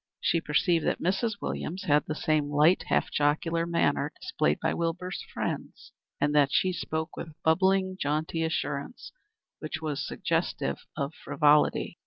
She perceived that Mrs. Williams had the same light, half jocular manner displayed by Wilbur's friends, and that she spoke with bubbling, jaunty assurance, which was suggestive of frivolity.